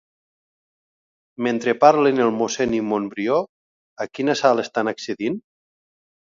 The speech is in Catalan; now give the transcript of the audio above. Mentre parlen el mossèn i Montbrió, a quina sala estan accedint?